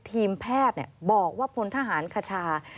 ทีมแพทย์บอกว่าพลทหารคชา